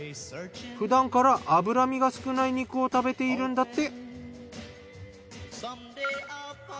ふだんから脂身が少ない肉を食べているんだって。